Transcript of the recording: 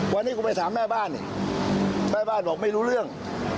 วันนี้กูไปถามแม่บ้านนี่แม่บ้านบอกไม่รู้เรื่อง